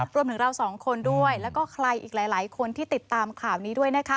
รวมถึงเราสองคนด้วยแล้วก็ใครอีกหลายคนที่ติดตามข่าวนี้ด้วยนะคะ